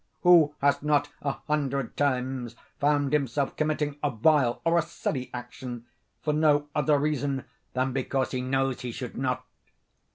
Who has not, a hundred times, found himself committing a vile or a silly action, for no other reason than because he knows he should not?